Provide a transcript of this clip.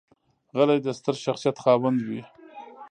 غلی، د ستر شخصیت خاوند وي.